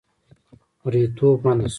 مریتوب منع شو.